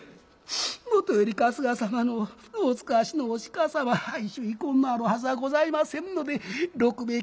「もとより春日様のお遣わしのお鹿様意趣遺恨のあるはずはございませんので六兵衛